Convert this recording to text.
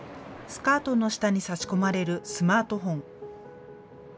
スカートの下に差し込まれるスマートフォン。